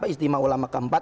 istimewa ulama keempat